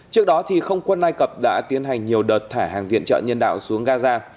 trước đó không quân ai cập đã tiến hành nhiều đợt thả hàng viện trợ nhân đạo xuống gaza